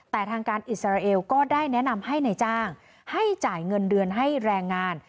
แต่ทางการอิสราเอลก็ได้แนะนำให้นายจ้างให้จ่ายเงินเดือนให้แรงงาน